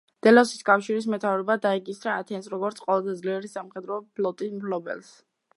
დელოსის კავშირის მეთაურობა დაეკისრა ათენს, როგორც ყველაზე ძლიერი სამხედრო ფლოტის მფლობელს.